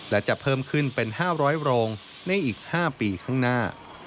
และจะเพิ่มขึ้นเป็น๕๐๐โรงในอีก๕ปีข้างหน้า